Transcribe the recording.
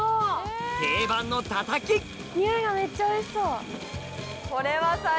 定番のタタキ匂いがめっちゃおいしそう。